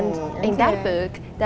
dan dalam buku itu